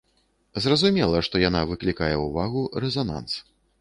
Зразумела, што яна выклікае ўвагу, рэзананс.